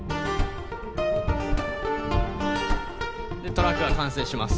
トラックが完成します。